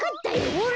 ほら。